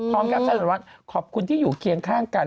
พร้อมเพล็งว่าขอบคุณที่อยู่เคียงข้างกัน